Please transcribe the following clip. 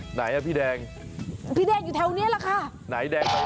ไหนแดงใบเล่